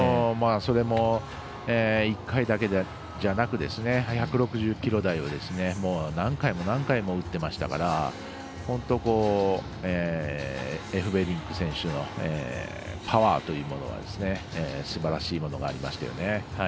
それも１回だけじゃなく１６０キロ台を何回も何回も打っていましたから、本当にエフベリンク選手のパワーというものはすばらしいものがありましたよね。